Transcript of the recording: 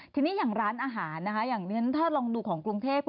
ทีนี้อย่างร้านอาหารนะคะอย่างนั้นถ้าลองดูของกรุงเทพ